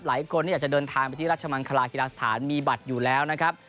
หลายคนที่อยากจะเดินทางไปที่ราชมังคลากีฬาสถานมีบัตรอยู่แล้วนะครับ